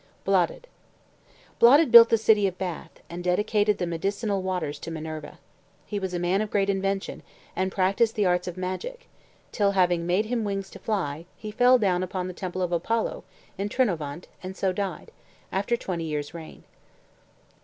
BLADUD Bladud built the city of Bath, and dedicated the medicinal waters to Minerva. He was a man of great invention, and practised the arts of magic, till, having made him wings to fly, he fell down upon the temple of Apollo, in Trinovant, and so died, after twenty years' reign.